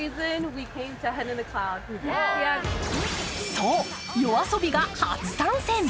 そう、ＹＯＡＳＯＢＩが初参戦。